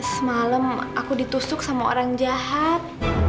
semalam aku ditusuk sama orang jahat